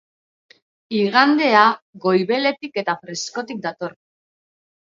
Igandea goibeletik eta freskotik dator.